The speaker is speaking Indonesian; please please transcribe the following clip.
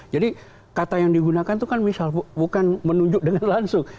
jadi kata yang digunakan itu kan misal bukan menunjuk dengan langsung